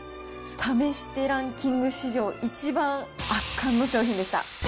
試してランキング史上、一番圧巻の商品でした。